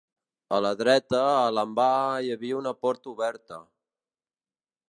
A la dreta, a l'envà, hi havia una porta oberta.